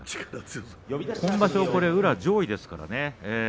今場所、宇良は上位ですからね